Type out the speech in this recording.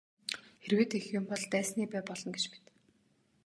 Хэрвээ тэгэх юм бол дайсны бай болно гэж мэд.